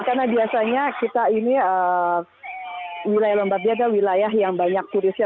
karena biasanya kita ini wilayah lombardia ada wilayah yang banyak turisnya